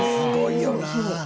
すごいよな。